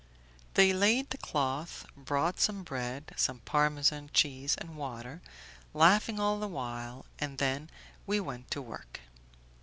They laid the cloth, brought some bread, some Parmesan cheese and water, laughing all the while, and then we went to work.